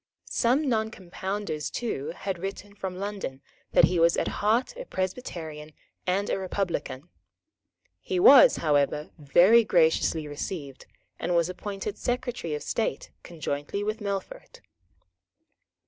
Some Noncompounders too had written from London that he was at heart a Presbyterian and a republican. He was however very graciously received, and was appointed Secretary of State conjointly with Melfort.